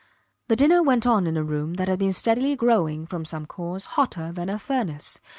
The dinner went on in a room that had been steadily growing, from some cause, hotter than a furnace.